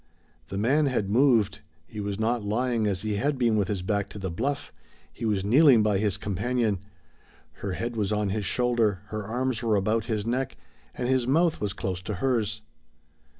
The man had moved; he was not lying as he had been with his back to the bluff; he was kneeling by his companion, her head was on his shoulder, her arms were about his neck, and his mouth was close to hers.